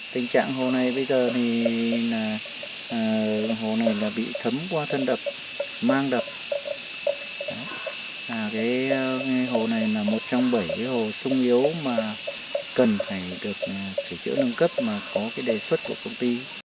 tình trạng hồ này bây giờ thì hồ này bị thấm qua thân đập mang đập và cái hồ này là một trong bảy cái hồ sung yếu mà cần phải được sửa chữa nâng cấp mà có cái đề xuất của công ty